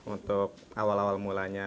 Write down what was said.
untuk awal awal mulanya